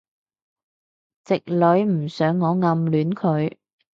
直女唔想我暗戀佢